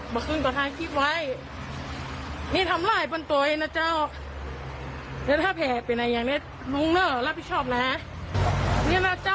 มาลุมคนเดียวมาตั้งแต่สองหุ้นแล้วค่ะ